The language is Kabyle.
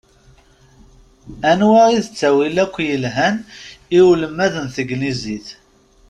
Anwa i d ttawil akk i yelhan i ulmad n tegnizit?